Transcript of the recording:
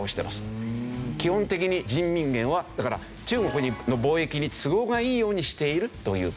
基本的に人民元はだから中国の貿易に都合がいいようにしているという。